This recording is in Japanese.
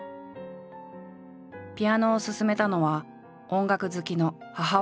ピアノを勧めたのは音楽好きの母親だったという。